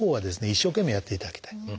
一生懸命やっていただきたい。